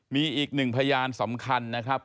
มีอีกหนึ่งพยานสำคัญนะครับ